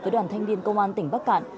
với đoàn thanh niên công an tỉnh bắc cạn